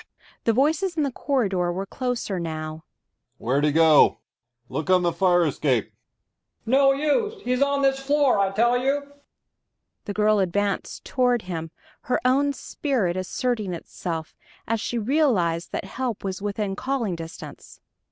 "Quiet!" The voices in the corridor were closer now. "Where'd he go? Look on the fire escape." "No use he's on this floor, I tell you." The girl advanced toward him, her own spirit asserting itself, as she realized that help was within calling distance.